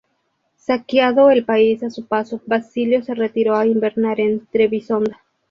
Saqueando el país a su paso, Basilio se retiró a invernar en Trebisonda.